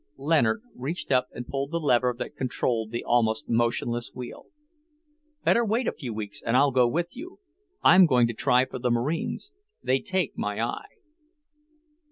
Leonard reached up and pulled the lever that controlled the almost motionless wheel. "Better wait a few weeks and I'll go with you. I'm going to try for the Marines. They take my eye."